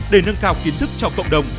để nâng cao kiến thức cho cộng đồng